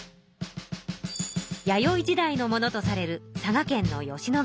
弥生時代のものとされる佐賀県の吉野ヶ里遺跡。